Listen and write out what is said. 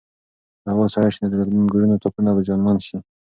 که هوا سړه شي نو د انګورو تاکونه به زیانمن شي.